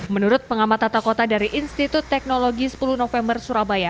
menurut pengamat tata kota dari institut teknologi sepuluh november surabaya